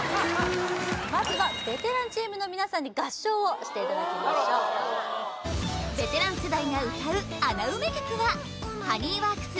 まずはベテランチームの皆さんに合唱をしていただきましょうベテラン世代が歌う穴埋め曲はＨｏｎｅｙＷｏｒｋｓ